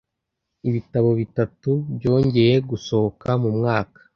ibitabo bitatu byongeye gusohoka mu mwaka